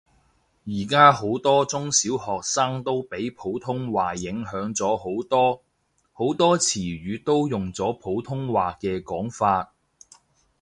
而家好多中小學生都俾普通話影響咗好多，好多詞語都用咗普通話嘅講法